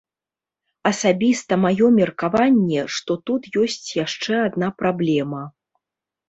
Асабіста маё меркаванне, што тут ёсць яшчэ адна праблема.